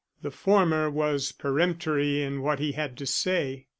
The former was peremptory in what he had to say.